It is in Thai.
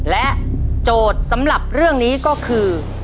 และโจทย์สำหรับเรื่องนี้ก็คือ